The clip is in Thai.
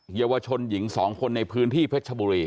เยาวชนหญิง๒คนในพื้นที่เพชรชบุรี